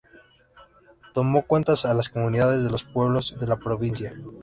Tomó cuentas a las comunidades de los pueblos de la provincia.